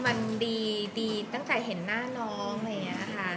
แบบคือมาดีตั้งแต่เห็นหน้าน้อง